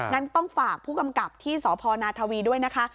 งั้นต้องฝากผู้กำกับที่สพนาทวีด้วยนะคะ